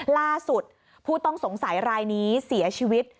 ล่าสุดผู้ต้องสงสัยรายนี้เสียชีวิต